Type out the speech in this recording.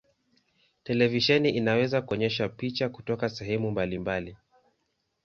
Televisheni inaweza kuonyesha picha kutoka sehemu mbalimbali.